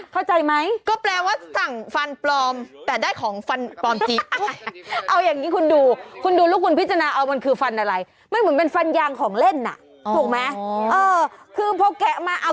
เขาใช้ไหมฟันปลอมที่เอามาทั้งงานอะ